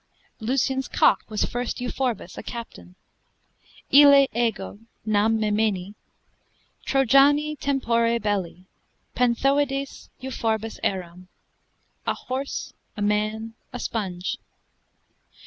Lucian's cock was first Euphorbus, a captain: Ille ego (nam memini) Trojani tempore belli, Panthoides Euphorbus eram, a horse, a man, a sponge.